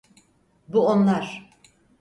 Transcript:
Bu onlar.